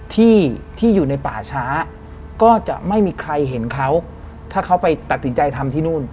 ที่ที่อยู่ในป่าช้าก็จะไม่มีใครเห็นเขาถ้าเขาไปตัดสินใจทำที่นู่น